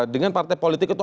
dengan partai politik itu